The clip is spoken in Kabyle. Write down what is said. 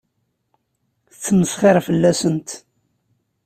Yettmesxiṛ fell-asent.